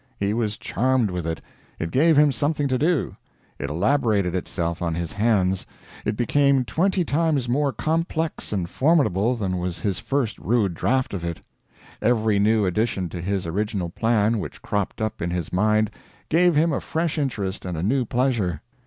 He was charmed with it; it gave him something to do. It elaborated itself on his hands; it became twenty times more complex and formidable than was his first rude draft of it. Every new addition to his original plan which cropped up in his mind gave him a fresh interest and a new pleasure.